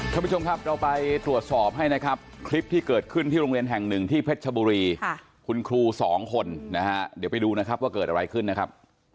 ท่านผู้ชมครับเราไปตรวจสอบให้นะครับคลิปที่เกิดขึ้นที่โรงเรียนแห่งหนึ่งที่เพชรชบุรีคุณครูสองคนนะฮะเดี๋ยวไปดูนะครับว่าเกิดอะไรขึ้นนะครับ